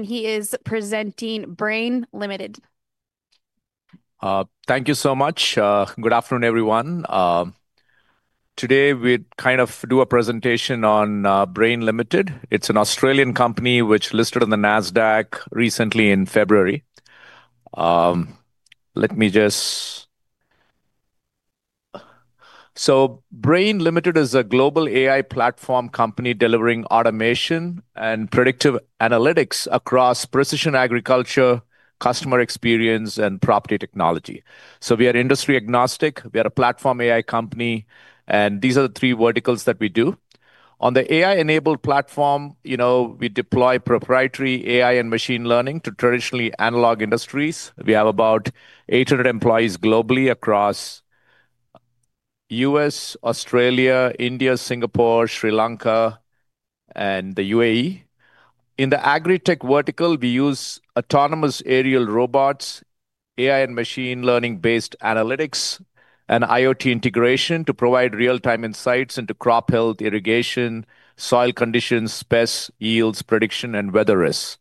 He is presenting Braiin Limited. Thank you so much. Good afternoon, everyone. Today, we do a presentation on Braiin Limited. It's an Australian company which listed on the Nasdaq recently in February. Braiin Limited is a global AI platform company delivering automation and predictive analytics across precision agriculture, customer experience, and property technology. We are industry-agnostic, we are a platform AI company, and these are the three verticals that we do. On the AI-enabled platform, we deploy proprietary AI and machine learning to traditionally analog industries. We have about 800 employees globally across U.S., Australia, India, Singapore, Sri Lanka, and the UAE. In the AgTech vertical, we use autonomous aerial robots, AI and machine learning-based analytics, and IoT integration to provide real-time insights into crop health, irrigation, soil conditions, pests, yields prediction, and weather risks.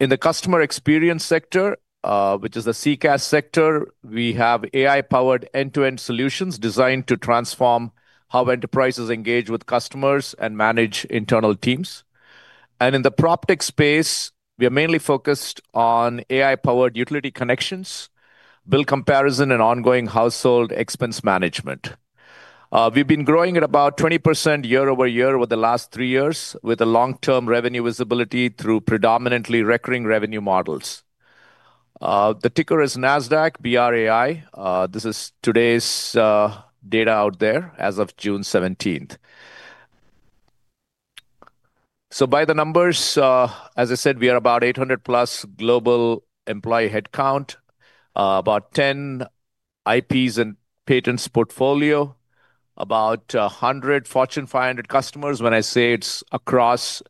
In the customer experience sector, which is the CCaaS sector, we have AI-powered end-to-end solutions designed to transform how enterprises engage with customers and manage internal teams. In the PropTech space, we are mainly focused on AI-powered utility connections, bill comparison, and ongoing household expense management. We've been growing at about 20% year-over-year over the last three years, with a long-term revenue visibility through predominantly recurring revenue models. The ticker is NASDAQ BRAI. This is today's data out there as of June 17th. By the numbers, as I said, we are about 800+ global employee headcount. About 10 IPs and patents portfolio, about 100 Fortune 500 customers. When I say it's across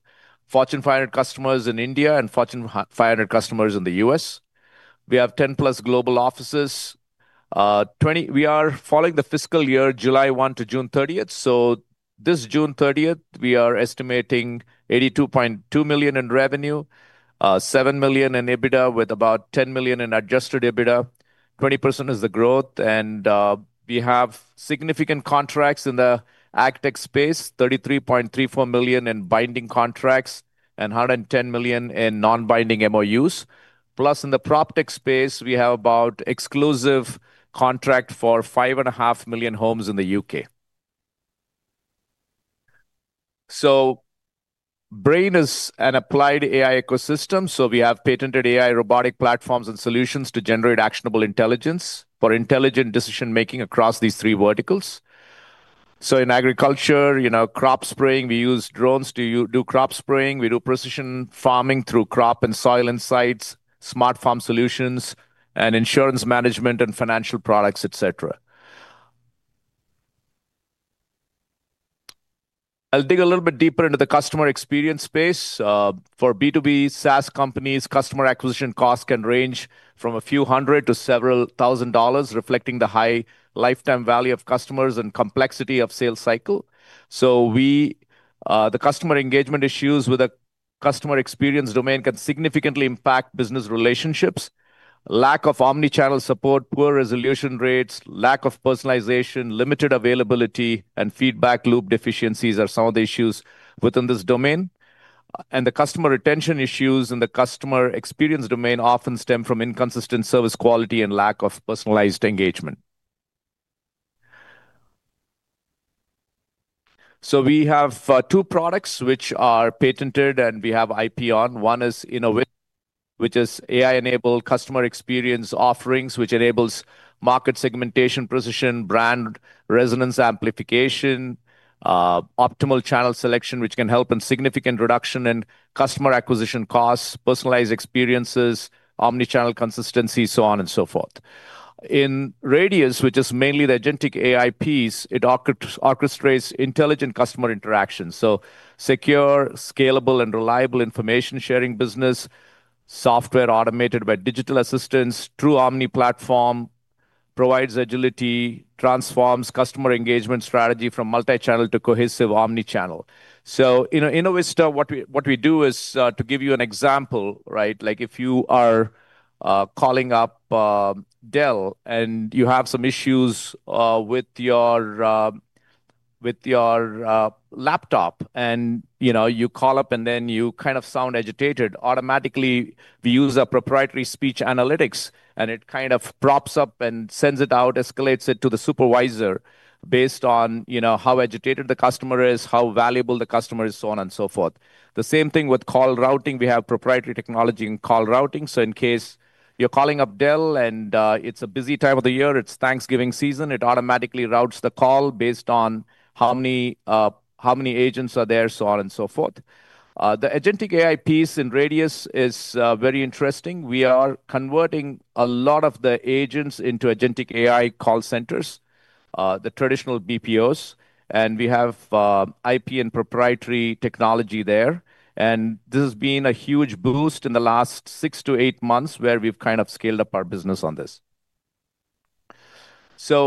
Fortune 500 customers in India and Fortune 500 customers in the U.S. We have 10+ global offices. We are following the fiscal year July 1 to June 30th. This June 30th, we are estimating 82.2 million in revenue, 7 million in EBITDA, with about 10 million in adjusted EBITDA. 20% is the growth. We have significant contracts in the AgTech space, 33.34 million in binding contracts, and 110 million in non-binding MOUs. Plus in the PropTech space, we have about exclusive contract for five and a half million homes in the U.K. Braiin is an applied AI ecosystem. We have patented AI robotic platforms and solutions to generate actionable intelligence for intelligent decision-making across these three verticals. In agriculture, crop spraying, we use drones to do crop spraying. We do precision farming through crop and soil insights, smart farm solutions and insurance management and financial products, et cetera. I'll dig a little bit deeper into the customer experience space. For B2B SaaS companies, customer acquisition costs can range from a few hundred to several thousand dollars, reflecting the high lifetime value of customers and complexity of sales cycle. The customer engagement issues with a customer experience domain can significantly impact business relationships. Lack of omnichannel support, poor resolution rates, lack of personalization, limited availability, and feedback loop deficiencies are some of the issues within this domain. The customer retention issues in the customer experience domain often stem from inconsistent service quality and lack of personalized engagement. We have two products which are patented, and we have IP on. One is Innovista, which is AI-enabled customer experience offerings, which enables market segmentation, precision brand resonance amplification, optimal channel selection, which can help in significant reduction in customer acquisition costs, personalized experiences, omnichannel consistency, so on and so forth. Radious, which is mainly the agentic AI piece, it orchestrates intelligent customer interactions. Secure, scalable, and reliable information-sharing business. Software automated by digital assistants. True omni platform. Provides agility. Transforms customer engagement strategy from multichannel to cohesive omnichannel. Innovista, what we do is, to give you an example, if you are calling up Dell and you have some issues with your laptop and you call up and then you kind of sound agitated, automatically, we use a proprietary speech analytics, and it kind of props up and sends it out, escalates it to the supervisor based on how agitated the customer is, how valuable the customer is, so on and so forth. The same thing with call routing. We have proprietary technology in call routing. In case you're calling up Dell and it's a busy time of the year, it's Thanksgiving season, it automatically routes the call based on how many agents are there, so on and so forth. The agentic AI piece in Radious is very interesting. We are converting a lot of the agents into agentic AI call centers, the traditional BPOs. We have IP and proprietary technology there. This has been a huge boost in the last six to eight months where we've kind of scaled up our business on this.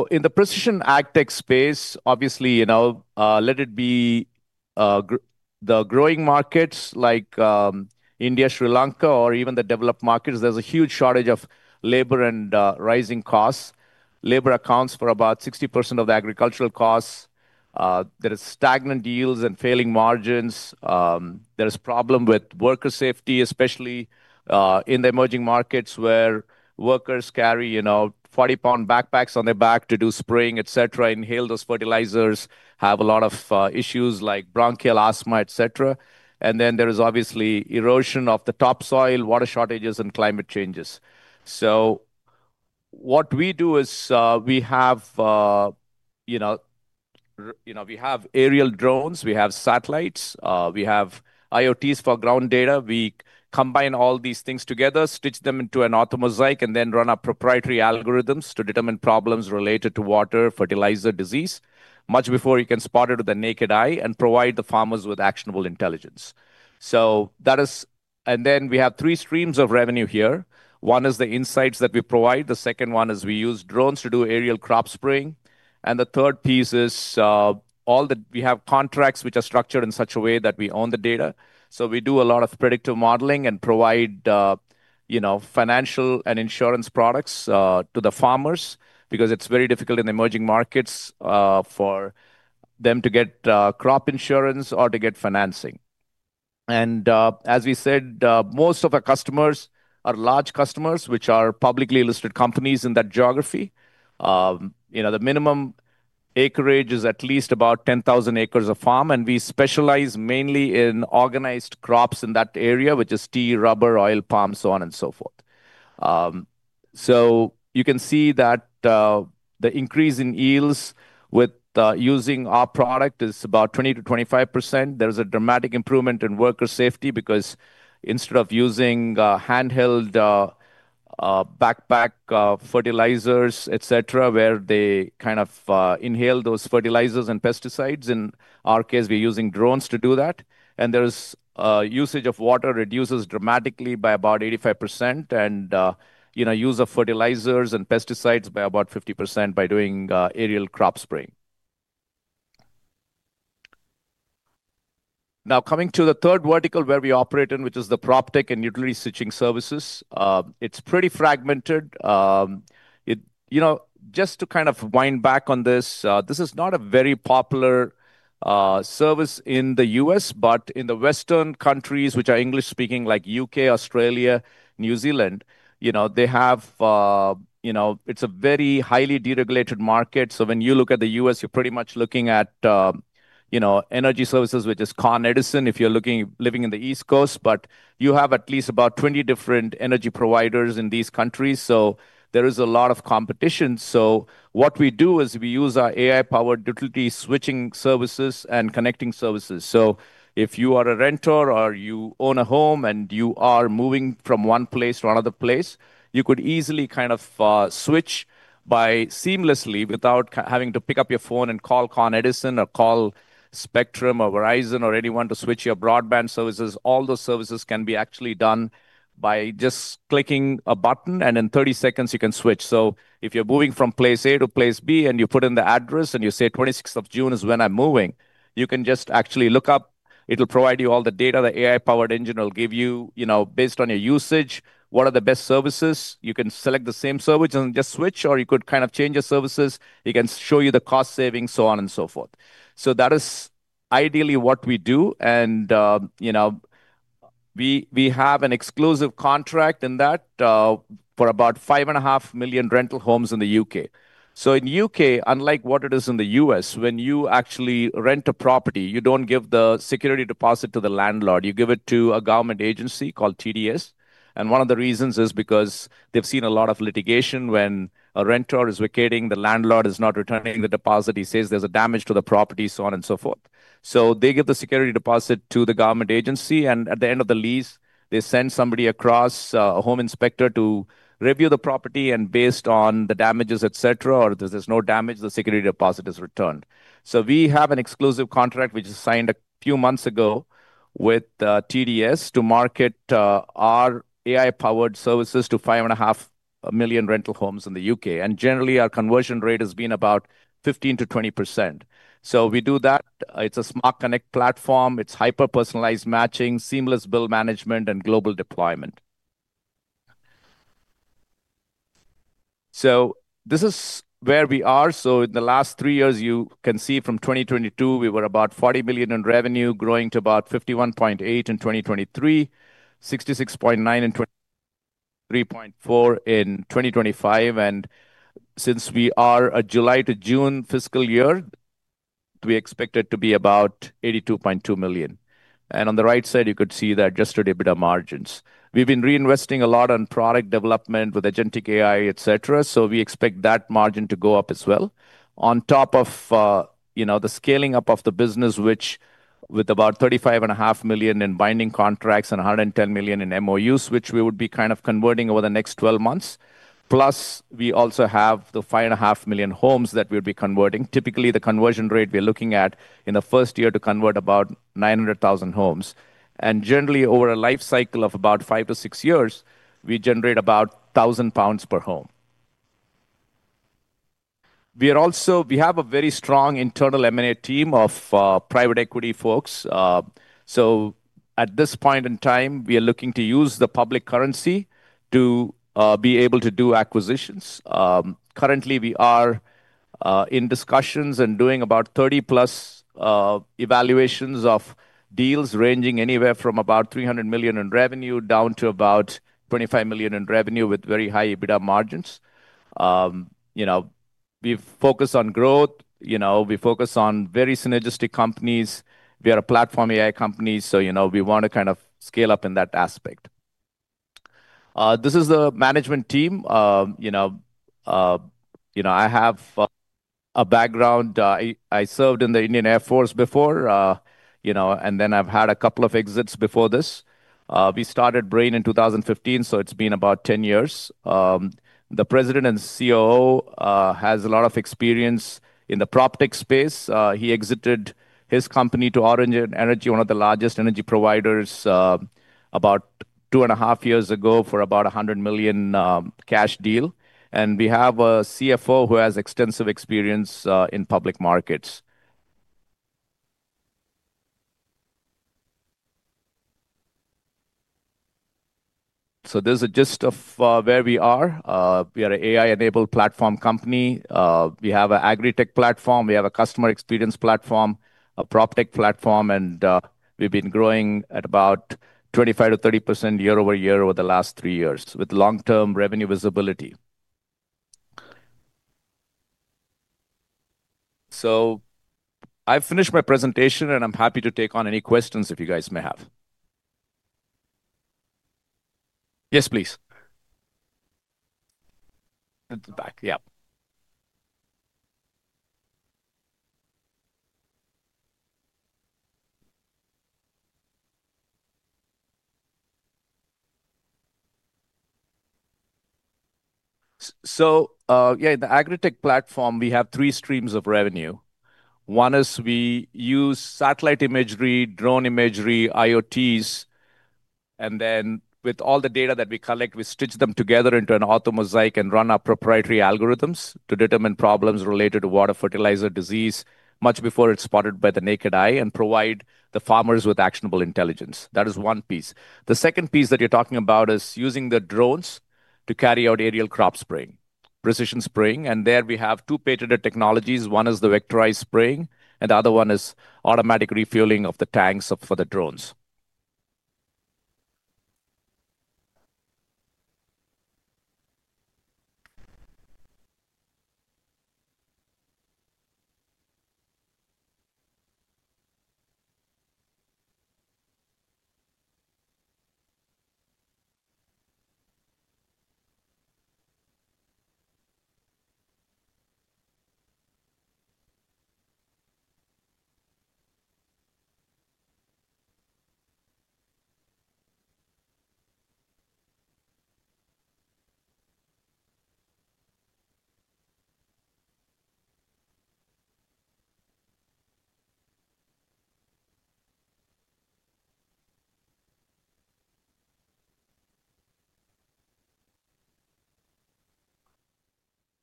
In the precision AgTech space, obviously, let it be the growing markets like India, Sri Lanka, or even the developed markets, there's a huge shortage of labor and rising costs. Labor accounts for about 60% of the agricultural costs. There is stagnant yields and failing margins. There is problem with worker safety, especially in the emerging markets where workers carry 40-pound backpacks on their back to do spraying, et cetera, inhale those fertilizers, have a lot of issues like bronchial asthma, et cetera. There is obviously erosion of the topsoil, water shortages, and climate changes. What we do is we have aerial drones, we have satellites, we have IoTs for ground data. We combine all these things together, stitch them into an orthomosaic, and then run our proprietary algorithms to determine problems related to water, fertilizer, disease, much before you can spot it with the naked eye and provide the farmers with actionable intelligence. We have three streams of revenue here. One is the insights that we provide. The second one is we use drones to do aerial crop spraying. The third piece is we have contracts which are structured in such a way that we own the data. We do a lot of predictive modeling and provide financial and insurance products to the farmers because it's very difficult in emerging markets for them to get crop insurance or to get financing. As we said, most of our customers are large customers which are publicly listed companies in that geography. The minimum acreage is at least about 10,000 acres of farm, and we specialize mainly in organized crops in that area, which is tea, rubber, oil palm, so on and so forth. You can see that the increase in yields with using our product is about 20%-25%. There's a dramatic improvement in worker safety because instead of using handheld backpack fertilizers, et cetera, where they kind of inhale those fertilizers and pesticides, in our case, we're using drones to do that. Usage of water reduces dramatically by about 85% and use of fertilizers and pesticides by about 50% by doing aerial crop spraying. Coming to the third vertical where we operate in, which is the PropTech and utility switching services. It's pretty fragmented. Just to kind of wind back on this is not a very popular service in the U.S., but in the Western countries, which are English-speaking like U.K., Australia, New Zealand, it's a very highly deregulated market. When you look at the U.S., you're pretty much looking at energy services, which is Con Edison, if you're living in the East Coast, but you have at least about 20 different energy providers in these countries. There is a lot of competition. What we do is we use our AI-powered utility switching services and connecting services. If you are a renter or you own a home and you are moving from one place to another place, you could easily switch by seamlessly without having to pick up your phone and call Con Edison or call Spectrum or Verizon or anyone to switch your broadband services. All those services can be actually done by just clicking a button, and in 30 seconds you can switch. If you're moving from place A to place B and you put in the address and you say, "26th of June is when I'm moving," you can just actually look up. It'll provide you all the data. The AI-powered engine will give you, based on your usage, what are the best services. You can select the same service and just switch, or you could change your services. It can show you the cost savings, so on and so forth. That is ideally what we do. We have an exclusive contract in that for about five and a half million rental homes in the U.K. In the U.K., unlike what it is in the U.S., when you actually rent a property, you don't give the security deposit to the landlord. You give it to a government agency called TDS. One of the reasons is because they've seen a lot of litigation when a renter is vacating, the landlord is not returning the deposit. He says there's a damage to the property, so on and so forth. They give the security deposit to the government agency, and at the end of the lease, they send somebody across, a home inspector to review the property and based on the damages, et cetera, or if there's no damage, the security deposit is returned. We have an exclusive contract, which is signed a few months ago with TDS to market our AI-powered services to 5.5 million rental homes in the U.K. Generally, our conversion rate has been about 15%-20%. We do that. It's a smart connect platform. It's hyper-personalized matching, seamless bill management, and global deployment. This is where we are. In the last three years, you can see from 2022, we were about 40 million in revenue, growing to about 51.8 million in 2023, 66.9 million in 2024 and 73.4 in 2025. Since we are a July to June fiscal year, we expect it to be about 82.2 million. On the right side, you could see the adjusted EBITDA margins. We've been reinvesting a lot on product development with agentic AI, et cetera, so we expect that margin to go up as well. On top of the scaling up of the business, which with about 35.5 million in binding contracts and 110 million in MOUs, which we would be kind of converting over the next 12 months. Plus, we also have the five and a half million homes that we'll be converting. Typically, the conversion rate we're looking at in the first year to convert about 900,000 homes. Generally, over a life cycle of about five to six years, we generate about 1,000 pounds per home. We have a very strong internal M&A team of private equity folks. At this point in time, we are looking to use the public currency to be able to do acquisitions. Currently, we are in discussions and doing about 30+ evaluations of deals ranging anywhere from about 300 million in revenue down to about 25 million in revenue with very high EBITDA margins. We focus on growth. We focus on very synergistic companies. We are a platform AI company, so we want to scale up in that aspect. This is the management team. I have a background. I served in the Indian Air Force before, and then I've had a couple of exits before this. We started Braiin in 2015, so it's been about 10 years. The President and COO has a lot of experience in the PropTech space. He exited his company to Origin Energy, one of the largest energy providers, about two and a half years ago for about 100 million cash deal. We have a CFO who has extensive experience in public markets. There's a gist of where we are. We are an AI-enabled platform company. We have an AgTech platform. We have a customer experience platform, a PropTech platform, and we've been growing at about 25%-30% year-over-year over the last three years with long-term revenue visibility. I've finished my presentation, and I'm happy to take on any questions if you guys may have. Yes, please. At the back. Yep. The AgTech platform, we have three streams of revenue. One is we use satellite imagery, drone imagery, IoTs, and then with all the data that we collect, we stitch them together into an orthomosaic and run our proprietary algorithms to determine problems related to water, fertilizer, disease much before it's spotted by the naked eye and provide the farmers with actionable intelligence. That is one piece. The second piece that you're talking about is using the drones to carry out aerial crop spraying, precision spraying. There we have two patented technologies. One is the vectorized spraying, and the other one is automatic refueling of the tanks for the drones.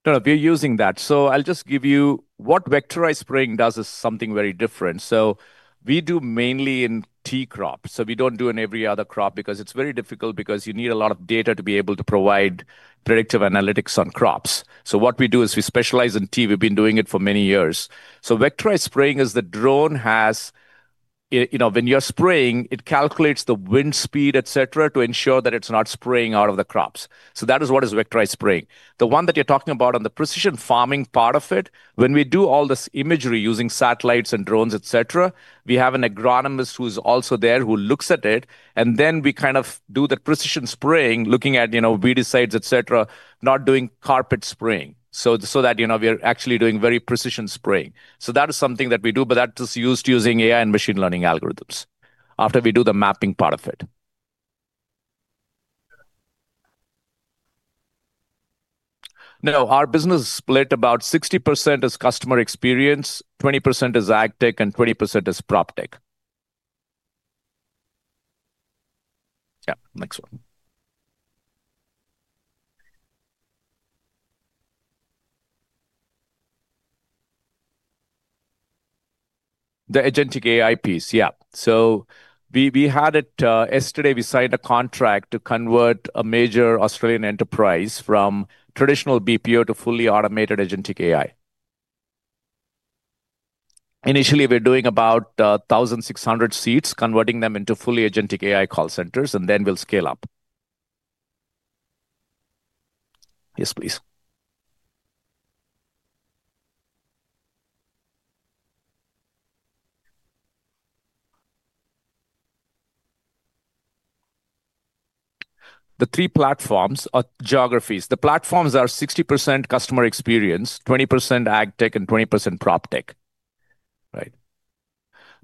No, we're using that. I'll just give you what vectorized spraying does is something very different. We do mainly in tea crops. We don't do in every other crop because it's very difficult because you need a lot of data to be able to provide predictive analytics on crops. What we do is we specialize in tea. We've been doing it for many years. Vectorized spraying is the drone has When you're spraying, it calculates the wind speed, et cetera, to ensure that it's not spraying out of the crops. That is what is vectorized spraying. The one that you're talking about on the precision farming part of it, when we do all this imagery using satellites and drones, et cetera, we have an agronomist who's also there who looks at it, and then we do that precision spraying, looking at weedicides, et cetera, not doing carpet spraying. That we are actually doing very precision spraying. That is something that we do, but that is used using AI and machine learning algorithms after we do the mapping part of it. No, our business is split about 60% is customer experience, 20% is AgTech, and 20% is PropTech. Next one. The agentic AI piece. Yesterday we signed a contract to convert a major Australian enterprise from traditional BPO to fully automated agentic AI. Initially, we're doing about 1,600 seats, converting them into fully agentic AI call centers, and then we'll scale up. Yes, please. The three platforms are geographies. The platforms are 60% customer experience, 20% is AgTech, and 20% is PropTech. Right.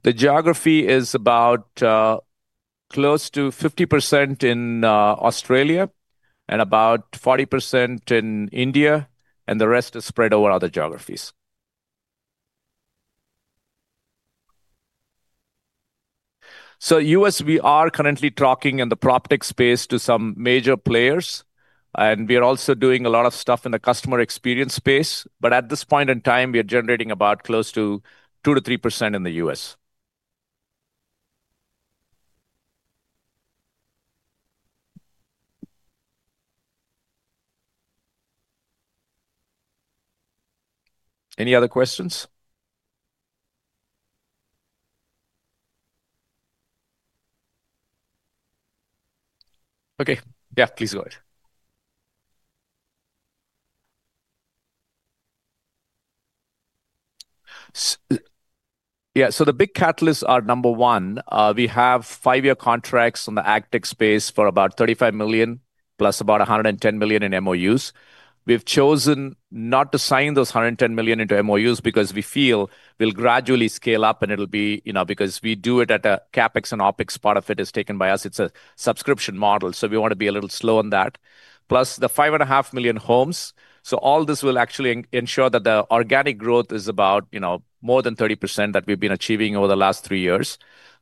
The geography is about close to 50% in Australia and about 40% in India, and the rest is spread over other geographies. U.S., we are currently talking in the PropTech space to some major players, and we are also doing a lot of stuff in the customer experience space. At this point in time, we are generating about close to 2%-3% in the U.S. Any other questions? Okay. Please go ahead. The big catalysts are number one, we have five-year contracts on the AgTech space for about 35 million, plus about 110 million in MOUs. We've chosen not to sign those 110 million into MOUs because we feel we'll gradually scale up, and it'll be, because we do it at a CapEx and OpEx, part of it is taken by us. It's a subscription model. We want to be a little slow on that. Plus the 5.5 million homes. All this will actually ensure that the organic growth is about more than 30% that we've been achieving over the last three years.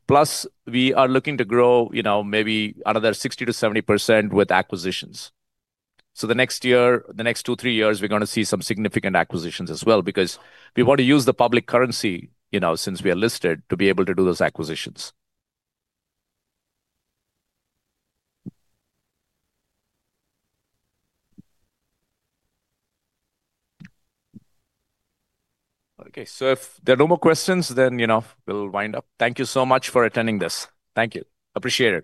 Plus, we are looking to grow maybe another 60%-70% with acquisitions. The next two, three years, we're going to see some significant acquisitions as well because we want to use the public currency, since we are listed, to be able to do those acquisitions. Okay. If there are no more questions, then we'll wind up. Thank you so much for attending this. Thank you. Appreciate it.